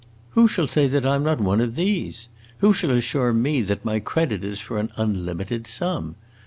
Who shall say that I 'm not one of these? Who shall assure me that my credit is for an unlimited sum?